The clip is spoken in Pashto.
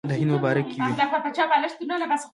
د هند په باره کې وې.